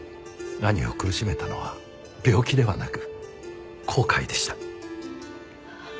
兄を苦しめたのは病気ではなく後悔でした。